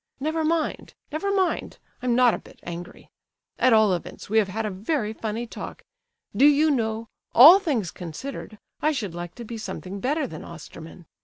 Never mind, never mind, I'm not a bit angry! At all events we have had a very funny talk. Do you know, all things considered, I should like to be something better than Osterman!